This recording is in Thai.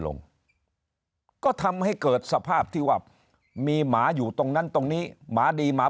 ลงก็ทำให้เกิดสภาพที่ว่ามีหมาอยู่ตรงนั้นตรงนี้หมาดีหมา